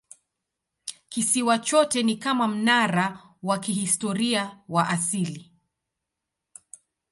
Kisiwa chote ni kama mnara wa kihistoria wa asili.